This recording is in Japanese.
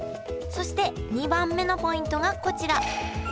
そして２番目のポイントがこちら。